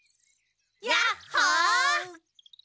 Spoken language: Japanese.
やっほー！